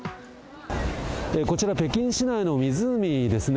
こちら、北京市内の湖ですね。